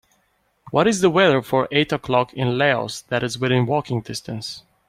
What is the weather for eight o'clock in Laos that is within walking distance